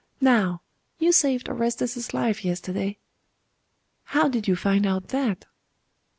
Now you saved Orestes's life yesterday.' 'How did you find out that?